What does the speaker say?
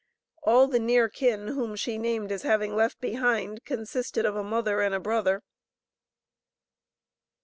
All the near kin whom she named as having left behind, consisted of a mother and a brother.